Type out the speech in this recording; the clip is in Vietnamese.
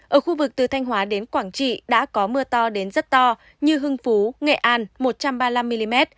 ở khu vực từ thanh hóa đến quảng trị đã có mưa to đến rất to như hưng phú nghệ an một trăm ba mươi năm mm